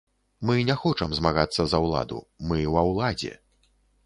Мы не хочам змагацца за ўладу, мы ва ўладзе.